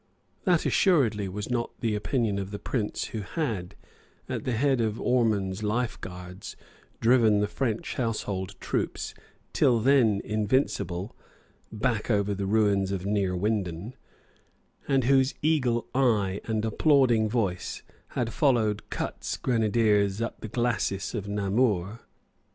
That assuredly was not the opinion of the Prince who had, at the head of Ormond's Life Guards, driven the French household troops, till, then invincible, back over the ruins of Neerwinden, and whose eagle eye and applauding voice had followed Cutts's grenadiers up the glacis of Namur.